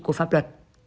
của pháp luật